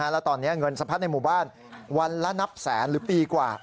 แล้วตอนนี้เงินสะพัดในหมู่บ้านวันละนับแสนหรือปีกว่า